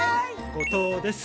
後藤です。